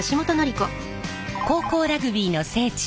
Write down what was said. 高校ラグビーの聖地